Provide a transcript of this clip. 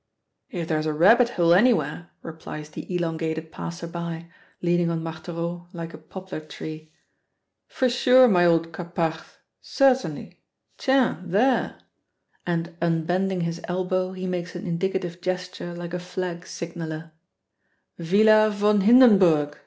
"If there's a rabbit hole anywhere?" replies the elongated passer by, leaning on Marthereau like a poplar tree, "for sure, my old Caparthe, certainly. Tiens, there" and unbending his elbow he makes an indicative gesture like a flag signaler "'Villa von Hindenburg.'